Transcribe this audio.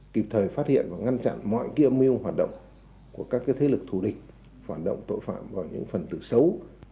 kịp thời phát hiện và ngăn chặn mọi kia mưu hoạt động của các thế lực thù địch hoạt động tội phạm vào những phần tự xấu